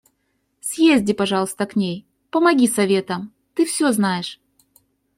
Съезди, пожалуйста, к ней, помоги советом, ты всё знаешь.